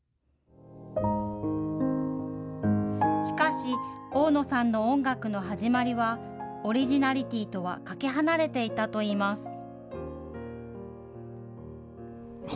しかし、大野さんの音楽の始まりは、オリジナリティとはかけ離れていたといいます。